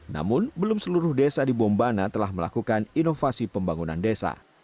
namun belum seluruh desa di bombana telah melakukan inovasi pembangunan desa